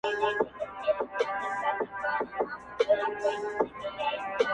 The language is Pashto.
ویل ګوره چي ګنجی سر دي نیولی-